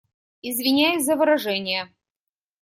Извиняюсь за выражения.